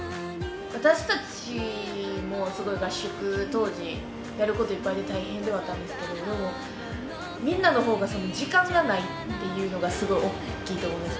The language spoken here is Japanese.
私たちも合宿当時、やることいっぱいで大変だったんですけどみんなの方が時間がないっていうのがすごい大きいと思います。